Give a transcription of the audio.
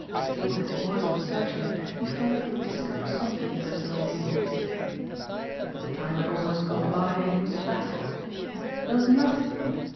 Skilled as he was in searching he felt he would discover something in those ninety minutes. But the time had almost gone by and he was baffled. There was nothing.